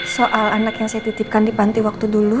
soal anak yang saya titipkan di panti waktu dulu